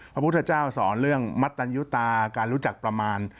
พระพุทธเจ้าสอนเรื่องมัตตัญญุตาการรู้จักประมาณ